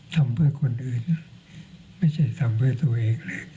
ทำเพื่อคนอื่นนะไม่ใช่ทำเพื่อตัวเอง